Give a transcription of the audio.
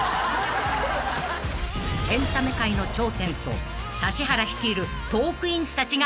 ［エンタメ界の頂点と指原率いるトークィーンズたちが激突］